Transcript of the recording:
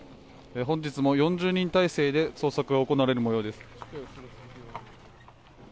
本日も４０人態勢で捜索が行われる模様です。